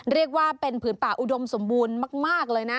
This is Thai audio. เรียกว่าเป็นผืนป่าอุดมสมบูรณ์มากเลยนะ